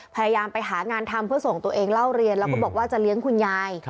พยายามไปหางานทำเพื่อส่งตัวเองเล่าเรียนแล้วก็บอกว่าจะเลี้ยงคุณยาย